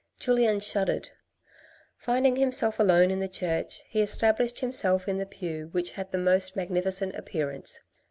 Julien shuddered. Finding himself alone in the church, he established himself in the pew which had the most magnificent appearance.